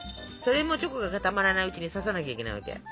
それもチョコが固まらないうちに刺さなきゃいけないわけ。